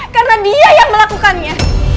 karena dia yang melakukannya